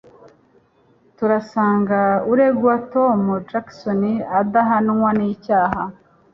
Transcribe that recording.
Turasanga uregwa Tom Jackson adahamwa n'icyaha